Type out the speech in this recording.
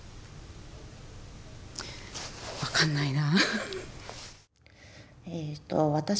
わかんないな。